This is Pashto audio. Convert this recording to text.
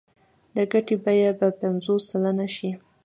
د ګټې بیه به پنځوس سلنه شي